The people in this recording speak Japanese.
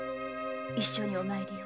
一緒にお参りに。